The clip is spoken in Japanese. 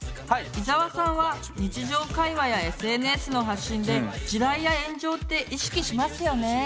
伊沢さんは日常会話やＳＮＳの発信で「地雷」や「炎上」って意識しますよね。